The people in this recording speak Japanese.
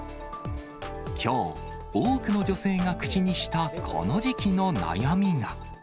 きょう、多くの女性が口にしたこの時期の悩みが。